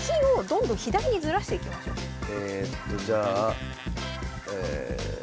えっとじゃあえ。